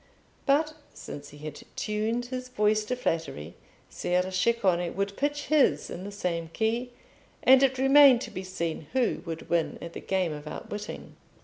But since he had tuned his voice to flattery, Ser Ceccone would pitch his in the same key, and it remained to be seen who would win at the game of outwitting.